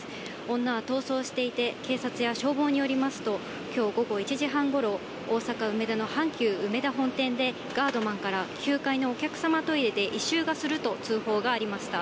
女は逃走していて、警察や消防によりますと、きょう午後１時半ごろ、大阪・梅田の阪急うめだ本店で、ガードマンから９階のお客様トイレで異臭がすると通報がありました。